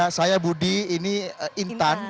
ya saya budi ini intan